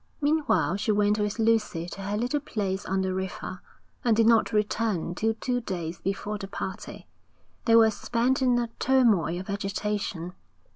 Meanwhile she went with Lucy to her little place on the river, and did not return till two days before the party. They were spent in a turmoil of agitation.